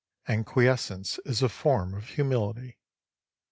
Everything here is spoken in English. And quiescence is a form of humility.